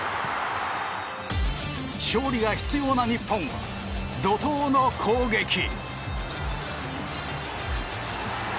勝利が必要な日本は怒涛の攻撃。